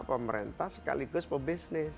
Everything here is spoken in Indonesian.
pemerintah sekaligus pebisnis